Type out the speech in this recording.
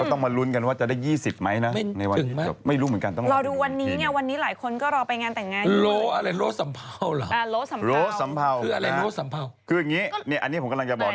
ต้องมาลุ้นกันว่าจะได้๒๐ไหมนะ